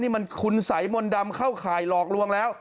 นี่มันคุณสัยมนต์ดำเข้าข่ายหลอกลวงแล้ว